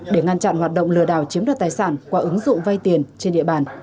để ngăn chặn hoạt động lừa đảo chiếm đoạt tài sản qua ứng dụng vay tiền trên địa bàn